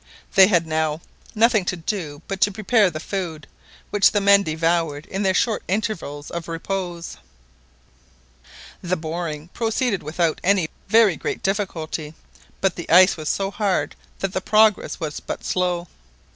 They had now nothing to do but to prepare the food, which the men devoured in their short intervals of repose. The boring proceeded without any very great difficulty, but the ice was so hard that the progress was but slow.